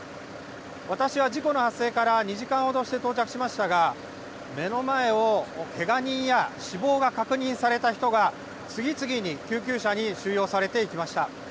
私は事故の発生から２時間ほどして到着しましたが、目の前をけが人や死亡が確認された人が、次々に救急車に収容されていきました。